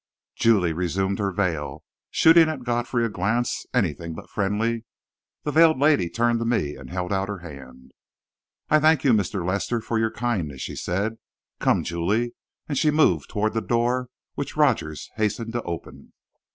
Julie resumed her veil, shooting at Godfrey a glance anything but friendly. The veiled lady turned to me and held out her hand. "I thank you, Mr. Lester, for your kindness," she said. "Come, Julie," and she moved toward the door, which Rogers hastened to open.